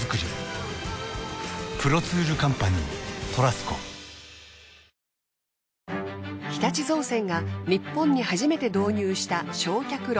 すごくこう更に日立造船が日本に初めて導入した焼却炉。